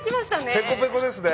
ペコペコですね。